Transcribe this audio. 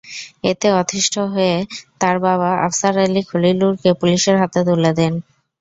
এতে অতিষ্ঠ হয়ে তাঁর বাবা আফছার আলী খলিলুরকে পুলিশের হাতে তুলে দেন।